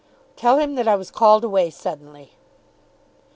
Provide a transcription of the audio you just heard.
"Tell him that I was called away suddenly."